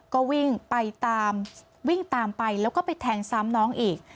ก็วิ่งไปตามวิ่งตามไปแล้วก็ไปแทงซ้ำน้องอีก